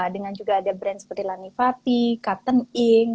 dengan juga ada brand seperti lani fati kapten ink